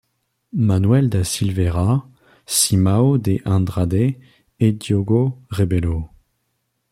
Manuel da Silveira, Simão de Andrade et Diogo Rebelo.